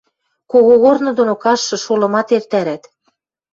Когогорны доно каштшы шолымат эртӓрӓт...